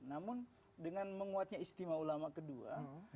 namun dengan menguatnya istimewa ulama kedua